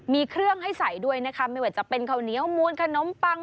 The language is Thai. มีเครื่องให้ใส่ด้วยนะคะไม่ว่าจะเป็นข้าวเหนียวมูลขนมปัง